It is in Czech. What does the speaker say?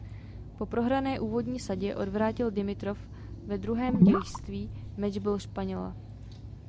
Po prohrané úvodní sadě odvrátil Dimitrov ve druhém dějství mečbol Španěla.